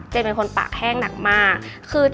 เป็นคนปากแห้งหนักมาก